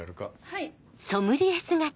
はい。